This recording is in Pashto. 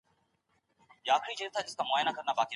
چي دي خپل كړمه زه